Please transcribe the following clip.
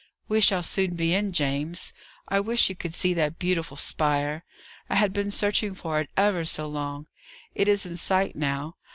"We shall soon be in, James. I wish you could see that beautiful spire. I have been searching for it ever so long; it is in sight, now.